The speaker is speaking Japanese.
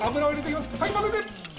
はいまぜて！